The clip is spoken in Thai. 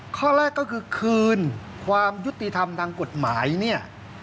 ข้อแรกก็คือคืนความยุติธรรมทางกฎหมายเนี่ย